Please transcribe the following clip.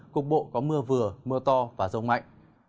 cục bộ có mưa vừa mưa to và rông mạnh